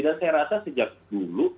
dan saya rasa sejak dulu